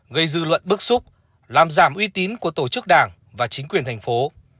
gây dư luận bức xúc làm giảm uy tín của tổ chức đảng và chính quyền thành phố